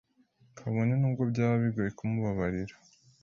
kabone n’ubwo byaba bigoye kumubabarira